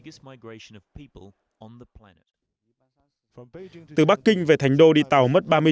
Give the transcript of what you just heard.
từ bắc kinh về thành đô đi đến bắc kinh chị là một trong những người thân yêu của trung quốc